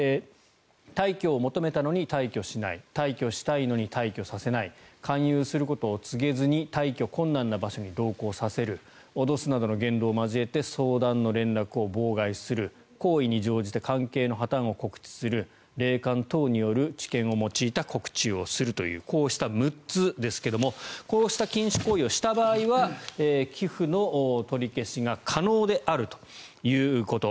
退去を求めたのに退去しない退去したいのに退去させない勧誘することを告げずに退去困難な場所に同行させる脅すなどの言動を交えて相談の連絡を妨害する行為に乗じて関係の破たんを告知する霊感等による知見を用いた告知をするというこうした６つですがこうした禁止行為をした場合は寄付の取り消しが可能であるということ。